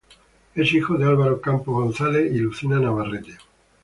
Es hijo de Álvaro Campos González y Lucina Navarrete.